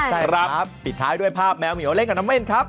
ใช่ครับปิดท้ายด้วยภาพแมวเหมียวเล่นกับน้ำเม่นครับ